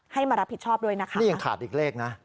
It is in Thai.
มารับผิดชอบด้วยนะคะนี่ยังขาดอีกเลขนะ